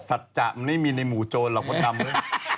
สัจจะมันดิฉันมะมี่ในหมู่โจรหรอกคุณฮ่าดำ